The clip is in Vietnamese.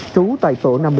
trú tại tổ năm mươi một